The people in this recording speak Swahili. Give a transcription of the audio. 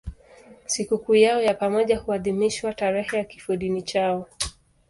Sikukuu yao ya pamoja huadhimishwa tarehe ya kifodini chao.